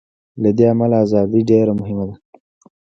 له دې امله ازادي ډېره مهمه ده.